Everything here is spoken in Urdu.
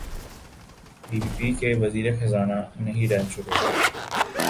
پی پی پی کے وزیر خزانہ نہیں رہ چکے؟